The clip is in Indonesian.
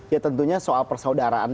ya tentunya soal persaudaraan